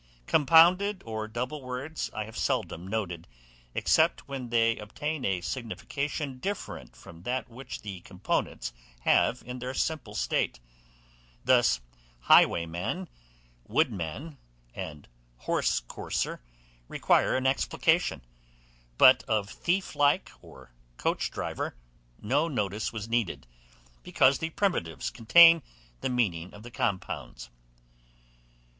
Compounded or double words I have seldom noted, except when they obtain a signification different from that which the components have in their simple state. Thus highwayman, woodman, and horsecourser, require an explanation; but of thieflike or coachdriver no notice was needed, because the primitives contain the meaning of the compounds.